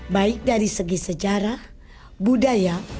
baik dari segi sejarah budaya